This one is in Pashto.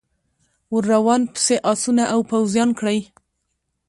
ور روان پسي آسونه او پوځیان کړی